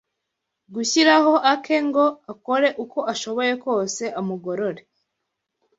gushyiraho ake ngo akore uko ashoboye kose amugorore